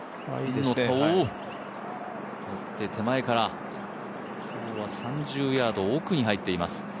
今日は３０ヤード、奥に入っています